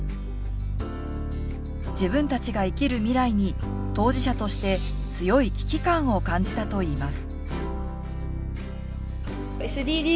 自分たちが生きる未来に当事者として強い危機感を感じたといいます。